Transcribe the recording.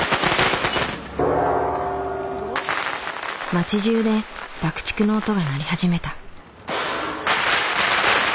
町じゅうで爆竹の音が鳴り始めた。